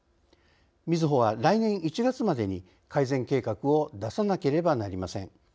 みずほは、来年１月までに改善計画を出さなければなりません。